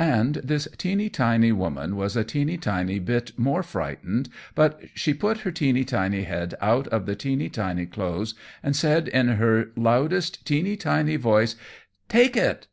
_] And this teeny tiny woman was a teeny tiny bit more frightened, but she put her teeny tiny head out of the teeny tiny clothes, and said in her loudest teeny tiny voice "Take it!"